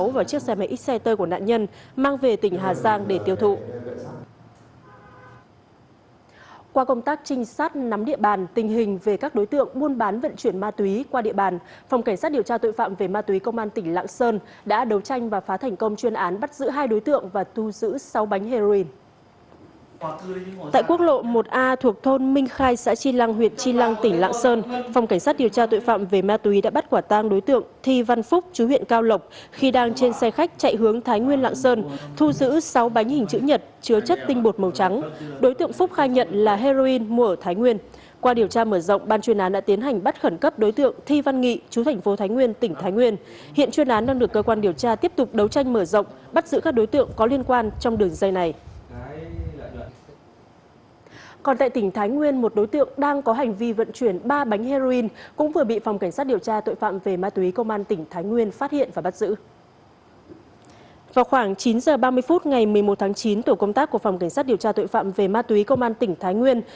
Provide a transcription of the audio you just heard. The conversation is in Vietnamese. vào khoảng chín h ba mươi phút ngày một mươi một tháng chín tổ công tác cộng phòng cảnh sát điều tra tội phạm về ma túy công an tỉnh thái nguyên